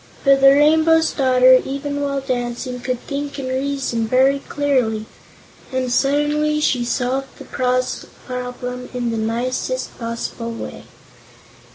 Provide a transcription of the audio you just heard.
But the Rainbow's Daughter, even while dancing, could think and reason very clearly, and suddenly she solved the problem in the nicest possible way.